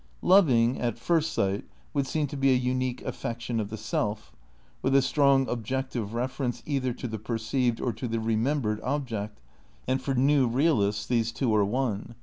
Loving, at first sight, would seem to be a unique affection of the self, with a strong objective reference either to the perceived or to the remembered object (and for new realists these two are one).